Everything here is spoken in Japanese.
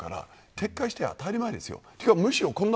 撤回して当たり前です。